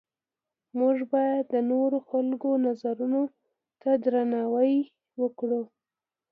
موږ باید د نورو خلکو نظرونو ته درناوی وکړو.